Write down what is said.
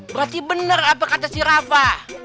berarti benar apa kata si rafa